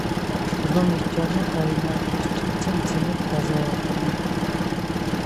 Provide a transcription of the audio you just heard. რომის ჯარებმა გაიმარჯვეს, თუმცა მძიმედ დაზარალდნენ.